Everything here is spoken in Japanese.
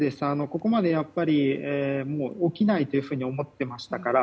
ここまで起きないというふうに思っていましたから。